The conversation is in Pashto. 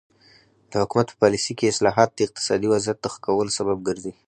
د حکومت په پالیسۍ کې اصلاحات د اقتصادي وضعیت د ښه کولو سبب ګرځي.